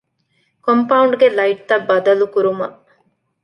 ކޮމްޕައުންޑްގެ ލައިޓްތައް ބަދަލުކުރުމަށް